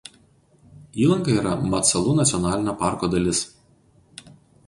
Įlanka yra Matsalu nacionalinio parko dalis.